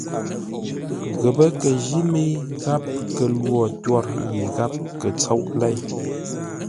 Ghəpə́ kə jí mə́i gháp kə lwo twôr yi gháp kə tsóʼ lei.